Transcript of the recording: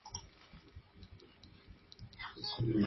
Un cadáver es encontrado en la frontera entre Quebec y Ontario.